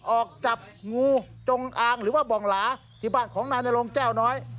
ออกจับงูจงอางหรือว่าบ่องหลาที่บ้านของนายนรงแก้วน้อย